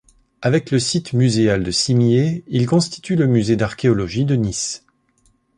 Avec le site muséal de Cimiez, il constitue le musée d'archéologie de Nice.